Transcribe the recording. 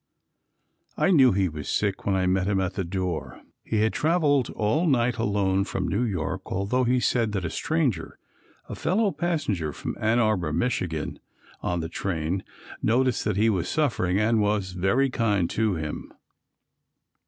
I knew he was sick when I met him at the door. He had traveled all night alone from New York, although he said that a stranger, a fellow passenger, from Ann Arbor, Mich., on the train noticed that he was suffering and was very kind to him.